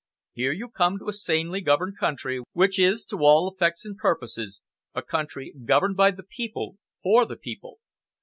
Here you come to a sanely governed country, which is, to all effects and purposes, a country governed by the people for the people.